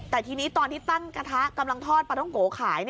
แต่ทีนี้ตอนที่ตั้งกระทะกำลังทอดปลาท้องโกขาย